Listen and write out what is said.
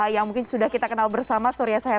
yang mungkin sudah kita kenal bersama surya saya